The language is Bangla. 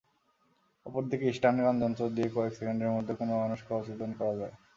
অপরদিকে স্টানগান যন্ত্র দিয়ে কয়েক সেকেন্ডের মধ্যে কোনো মানুষকে অচেতন করা যায়।